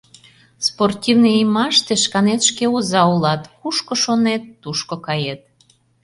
Спортивный иймаште шканет шке оза улат: кушко шонет, тушко кает.